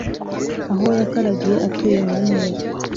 Aho yakaragiye atuye mu mpera